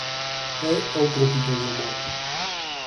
É outro tipo de humor.